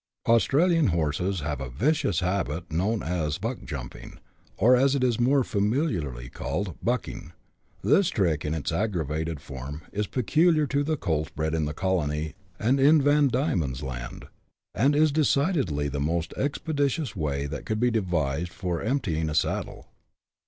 Australian horses have a vicious habit known as " buck jump ing," or as it is more familiarly called, " bucking." This trick, in its aggravated form, is peculiar to the colts bred in the colony and in Van Diemen's Land, and is decidedly the most expeditious way that could be devised for emptying a saddle.